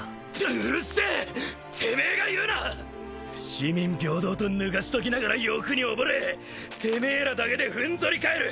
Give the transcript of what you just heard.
四民平等とぬかしときながら欲に溺れてめえらだけで踏ん反り返る